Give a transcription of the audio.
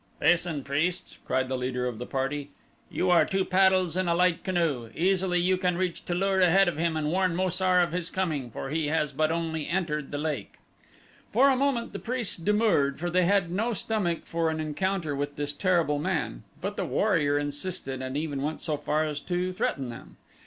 "Hasten priests," cried the leader of the party. "You are two paddles in a light canoe. Easily can you reach Tu lur ahead of him and warn Mo sar of his coming, for he has but only entered the lake." For a moment the priests demurred for they had no stomach for an encounter with this terrible man, but the warrior insisted and even went so far as to threaten them.